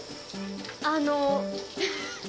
あの。